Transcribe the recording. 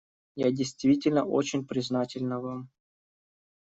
Я действительно очень признательна вам.